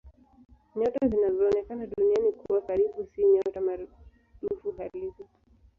Nyota zinazoonekana Duniani kuwa karibu si nyota maradufu halisi.